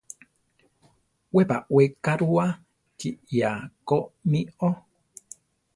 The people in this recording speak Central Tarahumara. We baʼwée ka rua kiʼyá ko mí o.